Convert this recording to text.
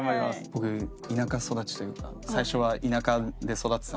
僕田舎育ちというか最初は田舎で育ってたので。